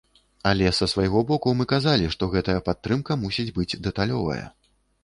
Але са свайго боку мы казалі, што гэтая падтрымка мусіць быць дэталёвая.